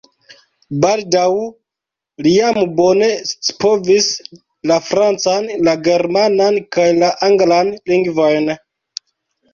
Baldaŭ li jam bone scipovis la francan, la germanan kaj la anglan lingvojn.